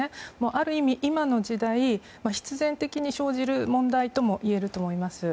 ある意味、今の時代必然的に生じる問題ともいえると思います。